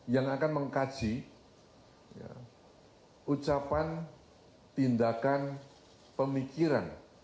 yang akan mengkaji ucapan tindakan pemikiran